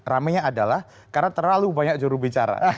ramenya adalah karena terlalu banyak jurubicara